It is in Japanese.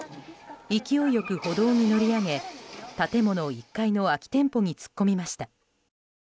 勢いよく歩道に乗り上げ建物１階の空き店舗に突っ込みました。